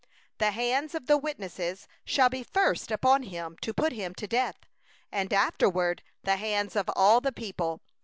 7The hand of the witnesses shall be first upon him to put him to death, and afterward the hand of all the people.